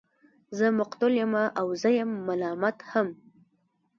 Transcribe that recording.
زه مقتول يمه او زه يم ملامت هم